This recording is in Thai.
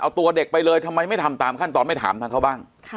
เอาตัวเด็กไปเลยทำไมไม่ทำตามขั้นตอนไม่ถามทางเขาบ้าง